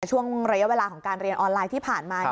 ช่วงระยะเวลาของการเรียนออนไลน์ที่ผ่านมา